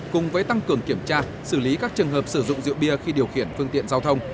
cùng với tăng cường kiểm tra xử lý các trường hợp sử dụng rượu bia khi điều khiển phương tiện giao thông